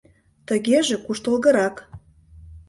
Тыгеже куштылгырак.